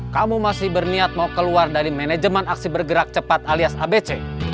kamu masih berniat mau keluar dari manajemen aksi bergerak cepat alias abc